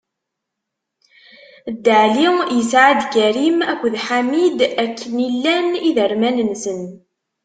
Dda Ɛli isɛa-d: Karim akked Ḥamid, akken i llan iderman-nsen.